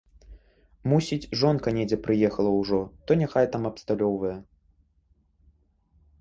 Мусіць, жонка недзе прыехала ўжо, то няхай там абсталёўвае.